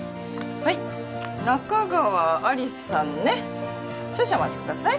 はい仲川有栖さんね少々お待ちください